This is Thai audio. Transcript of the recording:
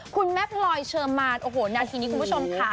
คุณแม่พลอยเชิมมาโอ้โหนาทีนี้คุณผู้ชมค่ะ